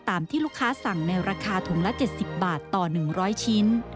ที่ลูกค้าสั่งในราคาถุงละ๗๐บาทต่อ๑๐๐ชิ้น